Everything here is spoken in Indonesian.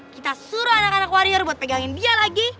kita suruh anak anak warrior buat pegangin dia lagi